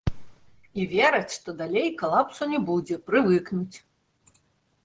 І вераць, што далей калапсу не будзе, прывыкнуць.